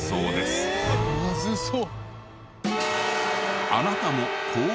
まずそう。